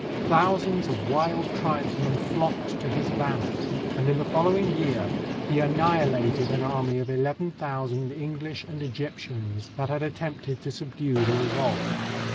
Thousands of wild tribes men flocked to his banner, and in the following year he annihilated an army of eleven thousand English and Egyp tians that had attempted to subdue the revolt.